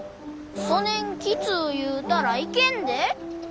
そねんきつう言うたらいけんで。